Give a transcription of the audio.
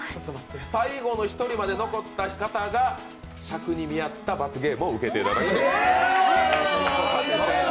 最後の１人まで残った方が尺に見合った罰ゲームを受けていただきます。